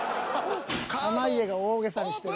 ［濱家が大げさにしてる］